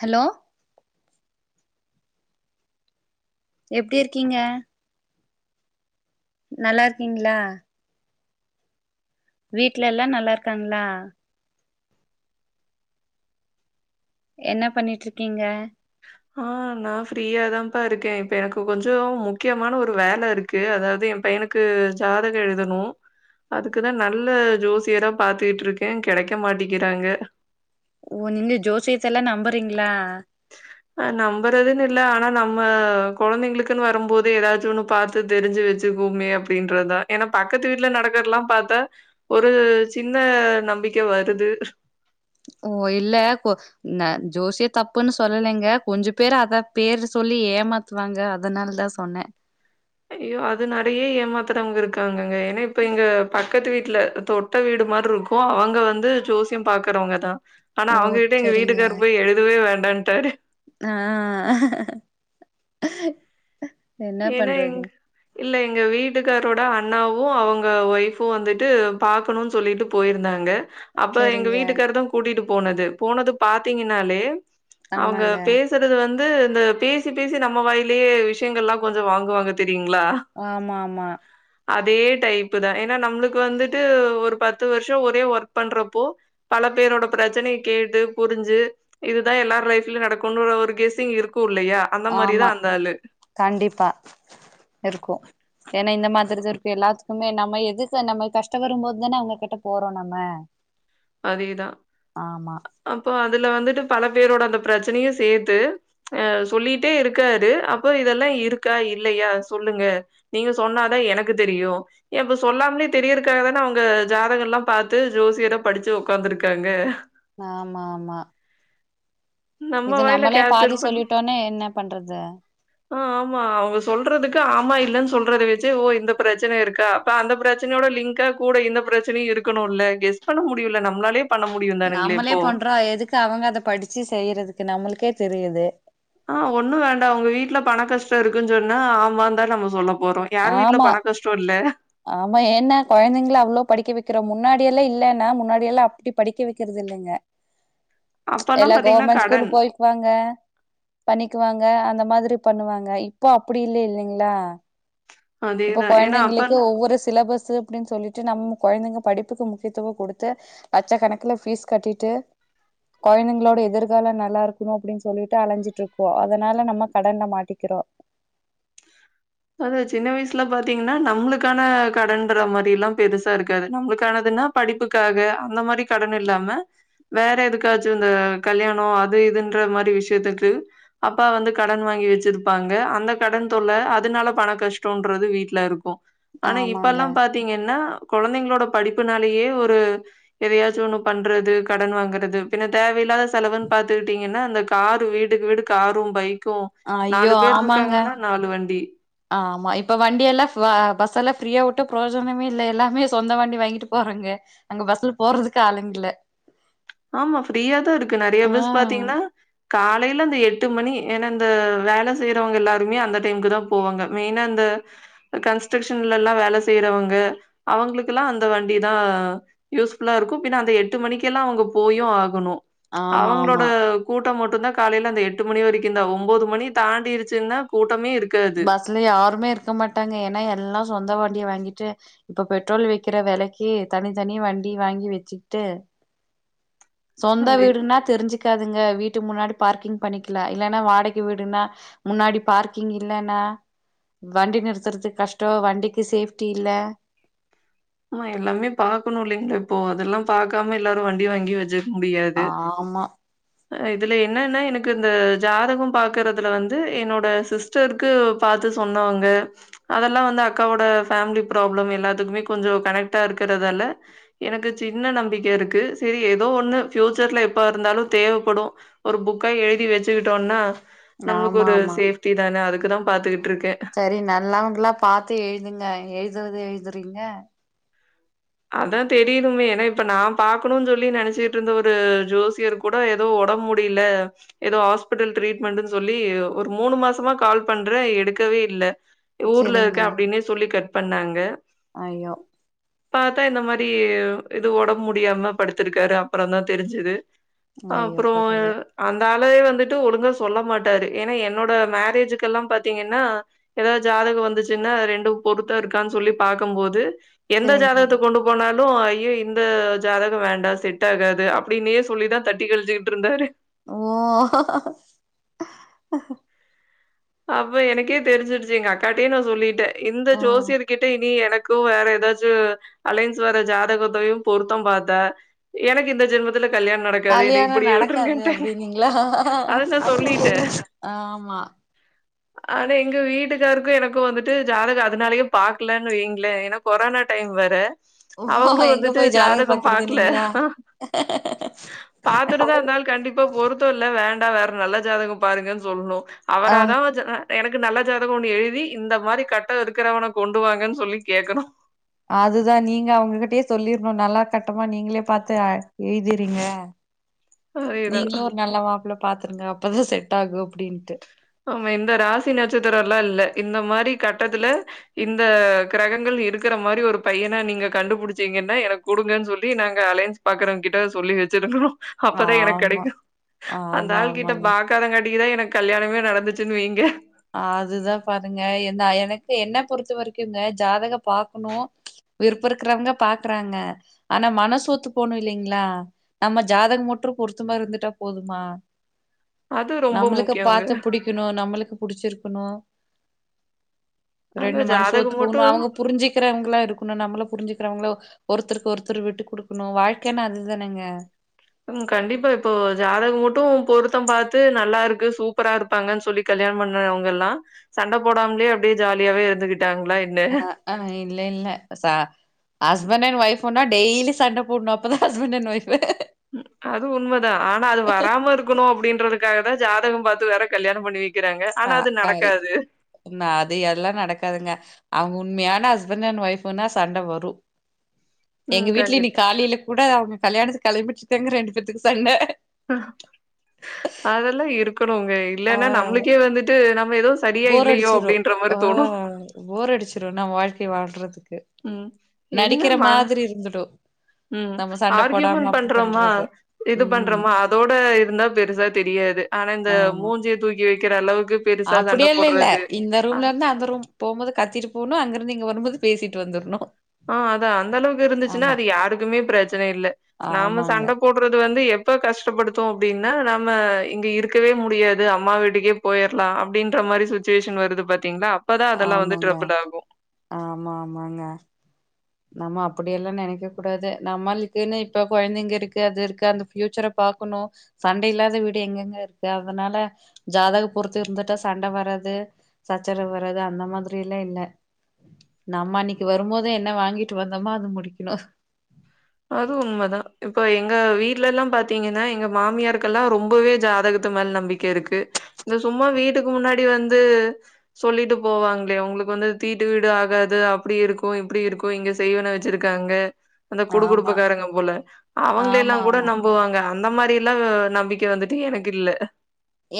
Hello எப்டி இருக்கீங்க நல்லா இருக்கீங்களா வீட்ல எல்லா நல்லா இருக்காங்களா என்ன பண்ணிட்டு இருக்கீங்க ஆ நா ஃப்ரீயா தாப்பா இருக்கே இப்ப எனக்கு கொஞ்சோ முக்கியமான ஒரு வேல ருக் கு அதாவது எ பையனுக்கு ஜாதக எழுதணு அதுக்குதா நல்ல ஜோசியரா பாத்துக்கிட்ருக்கே கெடைக்க மாட்டிக்கிறாங்க ஒன்னு ஜோசியத்தல்லா நம்புறீங்களா அ நம்புறதுனுல்ல ஆனா நம்ம கொழந்தைங்களுக்குன் வரும்போது எதாச்சு ஒன்னு பாத் து தெரிஞ்சி வெச்சுக்கோமே அப்டின்றத ஏனா பக்கத்து வீட்ல நடக்கிறலா பாத்தா ஒரு சின்ன நம்பிக்க வருது ஓ இல்ல கொ ந ஜோசிய தப்புன்னு சொல்லலைங்க கொஞ்ச பேரு அத பேரு சொல்லி ஏமாத் து வாங்க அதனால தா சொன்னே ஐயோ அது நெறையா ஏமாத்தறவங்க இருக்காங்கங்க ஏனா இப்ப இங்க பக்கத்து வீட்ல தொ ட்ட வீடு மார்ருக்கு அவங்க வந்து ஜோசியம் பாக்குறவங்கதா ஆனா ஓ அவங்க கிட்ட எங்க சரிங்க வீட்டுக்காரு போய் எழுதுவே வேண்டான்ட்டாரு ஆ என்ன ஏனா எங் பண்றது இல்ல எங்க வீட்டுக்காரோட அண்ணாவு அவுங்க ஒய்ஃபு வந்துட்டு பாக்கணுன் சொல்லிட்டு போயிருந்தாங்க அப்ப எங்க சரிங்க வீட்டுக்காரு தா கூட்டிட்டு போனது போனது பாத்தீங்கன்னாலே அவுங்க ஆமாங்க பே சறது வந்து இந்த பேசி பேசி நம்ம வாய்லியே விஷயங்கள்லா கொஞ்சோ வாங்குவ வாங்க தெரியுங்ளா ஆமாமா அதே டைப்பு தா ஏனா நம்மளுக்கு வந்துட்டு ஒரு பத்து வர்ஷோ ஒரே ஒர்க் பண்றப்போ பல பேரோட பிரச்சனைய கேட்டு புரிஞ்சி இதுதா எல்லார் லைஃப்லியு நடக்குன்ற ஒரு கேஸ்சிங் இருக்கு இல்லையா அந்த மாரிதா ஆமா அந்த ஆளு கண்டிப்பா இருக்கு ஏனா இந்த மாத்ரிதா இருக்கு எல்லாத்துக்குமே நம்ம எதுக்கு நம்ம கஷ்டவரும்போத் தான அவுங்க கிட்ட போறோ நம்ம அதேதா ஆமா அப்போ அதுல வந்துட்டு பல பேரோட அந்த பிரச்சனையு சேத்து ஆ சொல்லிட்டே இருக்காரு அப்போ இதெல்லா இருக்கா இல்லையா சொல்லுங்க நீங்க சொன்னாதா எனக்கு தெரியு ஏப்ப சொல்லாமலே தெரியறக்காக தான அவுங்க ஜாதக எல்லா பாத்து ஜோசியர படிச்சு உக்காந்துருக்காங்க ஆமா ஆமா நம்ம இது வாயில நம்மளே கேப்சர் பாதி பண்ணி சொல்லிட்டோன்னே என்ன பண்றது ஆ ஆமா அவுங்க சொல்றதுக்கு ஆமா இல்லன் சொல்றத வெச்சே ஓ இந்த பிரச்சன இருக்கா ப்ப அந்த பிரச்சனையோட லிங்கா கூட இந்த பிரச்சனையு இருக்கணுல்ல கெஸ் பண்ண முடியுள்ள நம்ளாலே நம்மளே பண்றோ எதுக்கு அவுங்க அத படிச்சி செய்யறதுக்கு நம்மளுக்கே தெரியிது ஆ ஒண்ணு வேண்டா உங்க வீட்ல பண கஷ்டோ இருக்குன் சொன்னா ஆமாந்தா நம்ம சொல்ல போறோ யாரு வீட்ல ஆமா பண கஷ்டோ இல்ல ஆமா ஏனா கொழந்தைங்கல அவ்ளோ படிக்க வெக்கிறோ முன்னாடியெல்லா இல்லேன்னா முன்னாடியெல்லா அப்டி படிக்க வெக்கிறது இல்லைங்க அப்பல்லா எல்லா பாத்தீங்கன்னா கவர்மெண்ட் ஸ்கூலு கடன் போய் பாங்க பண்ணிக்குவாங்க அந்த மாத்ரி பண்ணுவாங்க இப்போ அப்டி இல்லே இல்லைங்ளா இப்ப அதேதா ஏன்னா அப்ப கொழந்தைங்களுக்கு ஒவ்வொரு சிலபஸ்சு அப்டின் சொல்லிட்டு நம்ம கொழந்தைங்க படிப்புக்கு முக்கியத்துவோ குடுத்து லட்சக்கணக்குல ஃபீஸ் கட்டிட்டு கொழந்தைங்களோட எதிர்காலோ நல்லா இருக்கணு அப்டின் சொல்லிட்டு அலஞ்சிட்ருக்கோ அதனால நம்ம கடன்ல மாட்டிக்கிறோ அது சின்ன வயசுல பாத்தீங்கன்னா நம்மளுக்கான கடன்ற மாதில்லா பெருசா இருக்காது நம்மளுக்கானதுன்னா படிப்புக்காக அந்த மாரி கடன் இல்லாம வேற எதுக்காச்சு இந்த கல்யாணோ அது இதுன்ற மாரி விஷ்யத்துக்கு அப்பா வந்து கடன் வாங்கி வெச்சிருப்பாங்க அந்த கடன் தொல்ல அதுனால பண கஷ்டோன்றது வீட்ல இருக்கு ஆனா ஆமாங்க இப்பெல்லா பாத் திங்கன்னா கொழந்தைங்களோட படிப்புனாலயே ஒரு எதையாச்சு ஒன்னு பண்றது கடன் வாங்கறது பின்ன தேவையில்லாத செலவுன் பாத்துட்டீங்கனா அந்த காரு வீட்டுக்கு வீடு காரும் பைக்கு ஐயோ நாலு பேர் ஆமாங்க இருக்காங்கனா நாலு வண்டி ஆமா இப்ப வண்டி எல்லா ஃப பஸ் எல்லா ஃப்ரீயா வுட்டு ப்ரோஜனமே இல்ல எல்லாமே சொந்த வண்டி வாங்கிட்டு போறாங்க அங்க பஸ்ல போறதுக்கு ஆளுங்க இல்ல ஆமா ஃப்ரீயாதா இருக்கு நெறைய ஆ பஸ் பாத்தீங்கனா காலையில அந்த எட்டு மணி எனா இந்த வேல செய்றவங்க எல்லாருமே அந்த டைம்க்கு தா போவாங்க மெயினா அந்த கன்ஸ்ட்க்க்ஷன்லலா வேல செய்றவங்க அவுங்களுக்கலா அந்த வண்டி தா யூஸ்ஃபுல்லா இருக்கு பின்ன அந்த எட்டு மணிக்கெல்லா அவுங்க போயு ஆகணு ஆமா அவங்ளோட ஆமா கூட்டோ மட்டுதா காலைல அந்த எட்டு மணி வரைக்குந்தா ஒன்பது மணி தாண்டிரிச்சுன்னா கூட்டமே இருக் பஸ்ல யாருமே இருக்க மாட்டாங்க எனா எல்லா சொந்த வண்டிய வாங்கிட்டு இப்ப பெட்ரோல் விக்கிற வெலைக்கு தனித்தனி வண்டி வாங்கி வச்சுக்கிட்டு சொந்த அதேதான். வீடுனா தெரிஞ்சுக்காதுங்க வீட்டு முன்னாடி பார்க்கிங் பண்ணிக்கலா இல்லன்னா வாடகி வீடுனா முன்னாடி பார்க்கிங் இல்லன்னா வண்டி நிறுத்துறது கஷ்டோ வண்டிக்கு சேஃப்டி இல்ல ஆமா எல்லாமே பாக்கணு இல்லைங்கள இப்போ அதெல்லா பாக்காம எல்லாரு வண்டி வாங்கி வச்சிர் முடியாது ஆமா இதுல என்னன்னா எனக்கு இந்த ஜாதகோ பாக்கறதுல வந்து என்னோட சிஸ் டர்க்கு பா்த்து சொன்னவங்க அதெல்லா வந்து அக்காவோட ஃபேமிலி ப்ராப்ளம் எல்லாத்துக்குமே கொஞ்சோ கனெக்டா இருக்கறதால எனக்கு சின்ன நம்பிக்க இருக்கு சரி ஏதோ ஒண்ணு ஃபியூச்சர்ல எப்ப இருந்தாலு தேவப்படும் ஒரு புக்கா எழுதி வச்சுகிட்டோனா நம்ளுக்கு ஆமா ஒரு ஆமா சேஃப்டி தான அதுக்குதா பாத்துகிட்டுருக்கே சரி நல்லவங்கல்லா பாத்து எழுதுங்க எழுதுறது எழுதுறீங்க அதா தெரியனுமே எனா இப்ப நா பாக்கணுனு சொல்லி நெனச்சிட்டுருந்த ஒரு ஜோசியருக் கூட ஏதோ ஒடம் முடில ஏதோ ஹாஸ்பிட்டல் ட்ரீட்மெண்ட்ன் சொல்லி ஒரு மூணு மாசமா கால் பண்றே எடுக்கவே இல்ல ஊர்ல சரிங்க இருக்க அப்டின்னே சொல்லி கட் பண்ணாங்க அய்யோ பாத்தா இந்த மாரி இது ஒடம் முடியாம படுத்ருக்காரு அப்பறந்தா தெரிஞ்சுது ஐயோ அப்ரோ கடவுளே அந்த அலே வந்துட்டு ஒழுங்கா சொல்ல மாட்டாரு எனா என்னோட மேரேஜுக்கு எல்லா பாத்தீங்கன்னா ஏதா ஜாதகோ வந்துச்சுன்னா ரெண்டும் பொருத்த இருக்கான் சொல்லி பாக்கம்போது எந்த சரிங்க ஜாதகத்த கொண்டு போனாலு ஐய்யோ இந்த ஜாதக வேண்டா செட் ஆகாது அப்டின்னே சொல்லிதா தட்டி கழிசிட்டுருந்தாரு ஓ அப்ப எனக்கே தெரிஞ்சிடிச்சி எங்க அக்காட்டயே நா சொல்லிட்ட இந்த ஆ ஜோசியரு கிட்ட இனி எனக்கு வேற ஏதாச்சு அலைன்ஸ் வர ஜாதகத்தயு பொருத்தம் பாத்த எனக்கு இந்த ஜென்மத்துல கல்யாண் கல்யாண நடக்காது அப்டினிங்களா அத நான் சொல்லிட்டேன். ஆமா ஆனா எங்க வீட்டுக்காருக்கு எனக்கு வந்துட்டு ஜாதக அதனாலயே பாக்கலன் வைங்களேன் எனா கொரோனா டைம் வேற ஓ அவுங்களு எங்க வந்துட்டு போய் ஜாதகம் பாக்ல பாக்குறதுன்னீங்களா பாத்துட்டு தா அந்தாளு கண்டிப்பா பொருத்தோ இல்ல வேண்டா வேற நல்ல ஜாதகம் பாருங்கன் சொல்ணு ஆ அவராதான் [unintelligible] எனக்கு நல்ல ஜாதகோ ஒன்னு எழுதி இந்த மாரி கட்ட இருக்கறவன கொண்டுவாங்கன் சொல்லி கேக்கணு அதுதா நீங்க அவங்ககிட்டயே சொல்லிர்ணு நல்லா கட்டமா நீங்ளே பாத்து எழுதிறீங்க அதேதான் நீங்களு ஒரு நல்ல மாப்ள பாத்துருங்க அப்பதா செட்டாகு அப்டின்ட்டு ஆமா இந்த ராசி நட்சத்திரல்லா இல்ல இந்த மாரி கட்டத்துல இந்த கிரகங்கள் இருக்கிற மாரி ஒரு பையன நீங்க கண்டுபிடிச்சீங்கன்னா எனக்கு குடுங்கன்னு சொல்லி நாங்க அலைன்ஸ் பாக்குறவ கிட்ட சொல்லி வச்சிருக்குறோ அப்பதா எனக் ஆமா கெடைக்கு அந்த ஆமா ஆள்கிட்ட ஆமாங்க பாக் கதங்கட்டிகுத எனக் கல்யாணமே நடந்துச்சுன்னு வைங்க அதுதா பாருங்க என்ன எனக்கே என்ன பொறுத்த வரைக்கும்ங்க ஜாதகோ பாக்ணு விருப்ப இருக்கிறவங்க பாக்குறாங்க ஆனா மனசு ஒத்து போனு இல்லைங்களா நம்ம ஜாதக மட்டு பொறுருத்தமா இருந்துட்டா போதுமா அது ரொம்ப நம்மளுக்கு முக்கியங்க. பாத்த புடிக்கணு நம்மளுக்கு புடிச்சிருக்கணு ரெண்டு அதான் மனசு ஒத்து ஜாதகம் போணு மட்டும் அவுங்க புரிஞ்சுக்கிறவங்களா இருக்கணு நம்மள புரிஞ்சிக்கிறவங்கள ஒருத்தருக்கு ஒருத்தர் விட்டு குடுக்கணு வாழ்க்கைநா அதுதானேங்க ம் கண்டிப்பா இப்போ ஜாதக மட்டு பொருத்த பாத்து நல்லா இருக்கு சூப்பரா இரு ப்பாங்கன்னு சொல்லி கல்யாண பண்ணவங்க எல்லா சண்ட போடாமலயே அப்டியே ஜாலியாவே இருந்துகிட்டாங்களா எ ஆ ஆ இல்ல இல்ல சா ஹபண்ட் அண் ஒய்ஃப்ன்னா டெய்லி சண்ட போட்னு அப்பதா ஹபண்ட் அண் ஒய்ஃப் ம் அது உண்மதா ஆனா அது வராம இருக்குணு அப்டின்றதுக்காக தா ஜாதக பாத்து வேற கல்யாண பண்ணி வக் ஆ ஆய் ன அது எல்லா நடக்காதுங்க அவுங்க உண்மையான ஹஸ்பண்ட் அண்ட் ஒயஃப்ன்னா சண்ட வரு எங்க ம் வீட்டுல கண்டிப்பா. இன்னைக் காலையில கூட அவுங்க கல்யாணத்துக்கு களம்பிட்ருக்காங்க ரெண்டு பேத்துக்கு சண்ட அதெல்லா இருக்கணும்ங்க ஆ இல்லன்னா நம்மளுக்கே வந்துட்டு நம்ம ஏதோ சரியா போர் இல்லையோ அடிச்சிரு அப்டின்ற ஆ மாரி தோணு போர் அடிச்சிரு நம் வாழ்க்கை வாழ்றதுக்கு ம். என்ன நடிக்கிற ம மாதிரி இருந்துடு ம் நம்ம சண்ட போடாம ஆர்கியுமென்ட் அப்டி பண்றோமா பண்றது இது ம் பண்றோமா அதோட இருந்தா பெருசா தெரியாது ஆனா இந்த மூஞ்சிய தூக்கி வைக்கிற அளவுக்கு பெருசா சண்ட அப்டியேல்ல இல்ல போடுறது, இந்த அ ரூம்ல இருந்து அந்த ரூம் போமோது கத்திட்டு போணு அங்கிருந்து இங்க வருபோது பேசிட்டு வந்துர்ணு ஆ அதா அந்த அளவுக்கு இருந்துச்சுன்னா ஆமா அது யாருக்குமே ப்ரச்சன இல்ல நாம ஆமாங்க சண்ட போட் டுறது வந்து எப்ப கஷ்டப்படுத்து அப்டின்னு நம்ம இங்க இருக்கவே முடியாது அம்மா வீட்டுக்கே போய்ரலா அப்டின்ற மாரி சுச்சுவேஷன் வருது பாத்தீங்களா அப்பதா அதெல்லா வந்து ஆமாங்க ட்ரபுள் ஆகு ஆமா ஆமாங்க நம்ம அப்டியெல்லா நெனைக்க கூடாது நம்மக்குன்னு இப்ப கொழந்தைங்க இருக்கு அது இருக்கு அந்த ஃபியூச்சர பாக்குணு சண்ட இல்லாத வீடு எங்கெங்க இருக்கு அதனால ஜாதக பொறுத்து இருந்துட்டா சண்ட வராது சச்சரவு வர்றது அந்த மாதிரி எல்லா இல்ல நம்ம அன்னைக்கு வருபோது என்ன வாங்கி கிட்டு வந்தமா அது முடிக்கணு அது உண்மதா இப்ப எங்க வீட்ல எல்லா பாத்தீங்கன்னா எங்க மாமியாருக்கெல்லா ரொம்பவே ஜாதகத்து மேல நம்பிக் கே இருக்கு இந்த சும்மா வீட்டுக்கு முன்னாடி வந்து சொல்லிட்டு போவாங்ளே உங்களுக்கு வந்து தீட்டு வீடு ஆகாது அப்டி இருக்கு இப்டி இருக்கு இங்க செய்வன வச்சிருக்காங்க அந்த குடு ஆமா குடுப்பக்காரங்க போல அவுங்கள எல்லா ஆமா கூட ஆமா நம் புபோவாங்க அந்த மாரி எல்லா நம்பிக்க வந்துட்டு எனக்கு இல்ல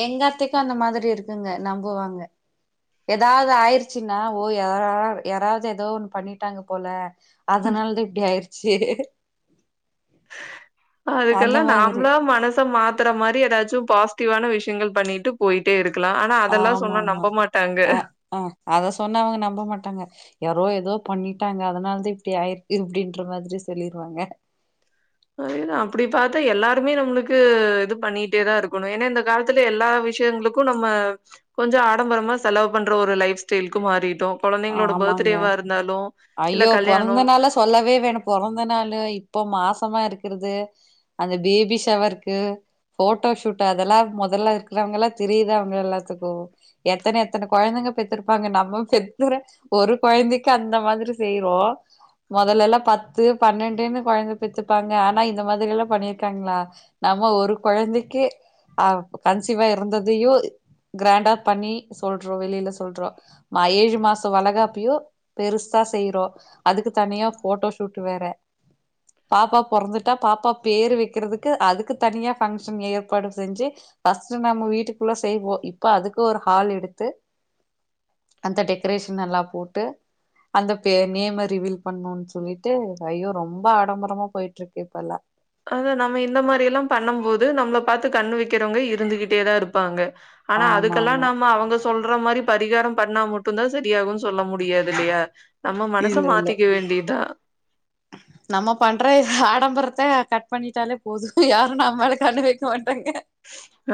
எங்கத்தைக்கு அந்த மாதிரி இருக்குங்க நம்புவாங்க ஏதாவ்து ஆய்டுச்சுன்னா ஓ யார யாராவ்து ஏதோ ஒண்ணு பண்ணிட்டாங்க போல அதனால தா இப்டி ஆயடுச்சு அதுக்கெல்லா நாம்ளா மனச மாத் துர மாரி ஏதாச்சு பாசிட்டிவான விஷ்யங்கள் பண்ணிட்டு போய்ட்டே இருக்கலா ஆ னா அதெல்லா ஆமா சொன்னா ஆமா நம்ப மாட்டாங்க அ ஆ அத சொன்னா அவங்க நம்ப மாட்டாங்க யாரோ எதோ பண்ணிட்டாங்க அதனாலதா இப்டி ஆய் இப்டின்ற மாரி சொல்லிருவாங்க [inaudible] அப்படி பாத்தா எல்லாருமே நம்பளுக்கு இது பண்ணிட்டே தா இருக்கணு என்னா இந்த காலத்துல எல்லா விஷயங்களுக்கு ற்கு நம்ம கொஞ்சோ ஆடம்பரமா செலவு பண்ற ஒரு லைப் ஸ்டைல்க்கு மாறிட்டோ கொழந்தைங்களோட ஆமாங்க பர்த்டேவா இருந்தாலு இல்ல ஐயோ கல்யாணோ பொறந்த நாள சொல்லவே வேணு பொறந்த நாளு இப்போ மாசமா இருக்கிறது அந்த பேபி ஷவர்க்கு போட்டோ ஷூட் அதெல்லா மொதல்ல இருக்கிறவங்க எல்லா தெரியுத அவுங்க எல்லாத்துக்கு எத்தன எத்தன கொழந்தைங்க பெத்துருபாங்க நம்ம பெத்தற ஒரு கொழந்தைக்கு அந்த மாதி ரி செய்றோ மொதல்ல எல்லா பத்து பன்னெண்டுனு குழந்த பெத்துப்பாங்க ஆனா இந்த மாரி எல்லா பண்ணியிருக்காங்களா நம்ப ஒரு குழந்தைக்கே ஆ கன்சிவா இருந்ததையோ கிராண்டா பண்ணி சொல்றோ வெளியில சொல்றோ ஆ ஏழு மாசோ வழகாப்பயோ பெரு சா செய்றோ அதுக்கு தனியா போட்டோ ஷூட் வேற பாப்பா பொறந்துட்டா பாப்பா பேர் வைக்கிறதுக்கு அதுக்கு தனியா ஃபங்க்ஷன் ஏற்பாடு செஞ்சு ஃபஸ்ட் நம்ம வீட்டுக்குள்ள செய்வோ இப்ப அதுக்கு ஒரு ஹால் எடுத்து அந்த டெக்ரேஷன் எல்லா போட்டு அந்த பே நேம ரிவீல் பண்ணு சொல்லிட்டு ஐயோ ரொம்ப ஆடம்பரமா போயிட்டு இருக்கு இப்பல்லா அத நம்ம இந்த மாரி எல்லா பண்ணும் போது நம்மளை பார்த்து கண்ண வைக்கிறவங்க இருந்துகிட்டேதா இருப்பாங்க ஆனா ஆமா அதுக்கெல்லா ஆமா நம்ப அவுங்க சொல்ற மாரி பரிகாரம் பண்ணா மட்டு தா சரியாகும்னு சொல்ல முடியாது இல்லையா நம்ம இல்ல மனச இல்ல மாத்திக்க வேண்டியதா நம்ம பண்ற ஆடம்பரத்த கட் பண்ணிட்டாலே போது யாரு நம்மேல கண்ணு வைக்க மாட்டாங்க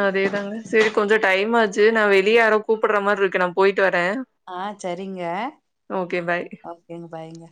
அதேதாங்க சரி கொஞ்சோ டைம் ஆச்சு நா வெளிய யாரோ கூப்பிடுற மாரி இருக்கு நா போயிட்டு வரே ஆ சரிங்க ஓகே பாய் ஓகேங்க பாய்ங்க